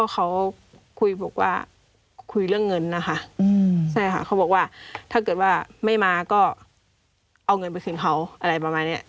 เขาคุยบอกว่าคุยเรื่องเงินนะคะใช่ค่ะเขาบอกว่าถ้าเกิดว่าไม่มาก็เอาเงินไปคืนเขาอะไรประมาณนี้